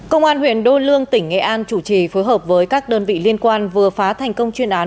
công an huyện đô lương tỉnh nghệ an chủ trì phối hợp với các đơn vị liên quan vừa phá thành công chuyên án